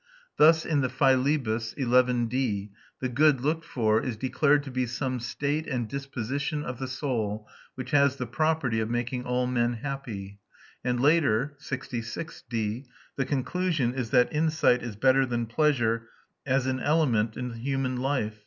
Thus in the Philebus (11, D) the good looked for is declared to be "some state and disposition of the soul which has the property of making all men happy"; and later (66, D) the conclusion is that insight is better than pleasure "as an element in human life."